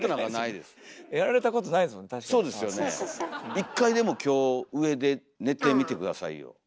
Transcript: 一回でも今日上で寝てみて下さいよ。